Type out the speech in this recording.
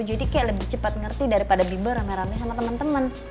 jadi kayak lebih cepat ngerti daripada bimbel rame rame sama temen temen